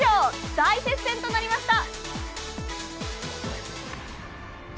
大接戦となりました！